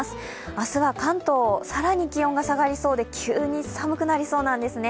明日は関東、更に気温が下がりそうで急に寒くなりそうなんですね。